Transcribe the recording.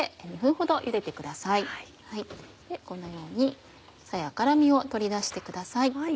このようにさやから実を取り出してください。